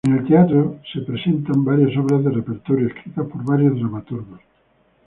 En el teatro se presentan varias obras de repertorio, escritas por varios dramaturgos.